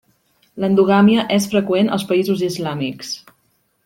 L'endogàmia és freqüent als països islàmics.